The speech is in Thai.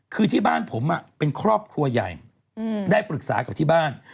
คือที่บ้านผมเป็นครอบครัวใหญ่ได้ปรึกษากับที่บ้าน